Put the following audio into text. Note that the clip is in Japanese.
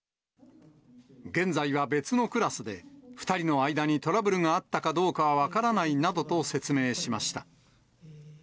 現在は別のクラスで、２人の間にトラブルがあったかどうかは分からないなどと説明しました。